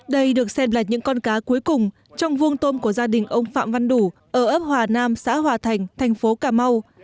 đây được xem là những con cá cuối cùng trong vuông tôm của gia đình ông phạm văn đủ ở ấp hòa nam xã hòa thành thành phố cà mau